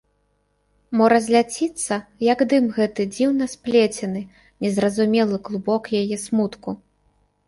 Мо разляціцца, як дым, гэты дзіўна сплецены, незразумелы клубок яе смутку?